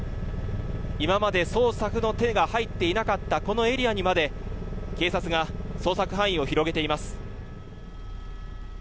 今まで捜索の手が入っていなかったこのエリアにまで警察が捜索範囲を広げています。